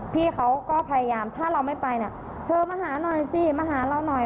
พี่เขาก็พยายามถ้าเราไม่ไปเนี่ยเธอมาหาหน่อยสิมาหาเราหน่อย